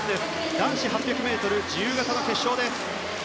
男子８００ｍ自由形の決勝です。